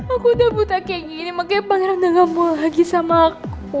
aku udah buta kayak gini makanya pangeran udah mau lagi sama aku